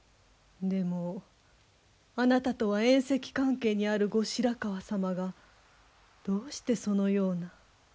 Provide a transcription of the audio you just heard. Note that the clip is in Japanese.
でもあなたとは縁戚関係にある後白河様がどうしてそのような。